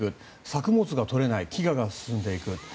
作物が少ない飢餓が進んでいく。